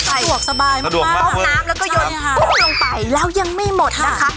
สะดวกสบายมากต้มน้ำแล้วก็ยนตุ้มลงไปแล้วยังไม่หมดนะคะ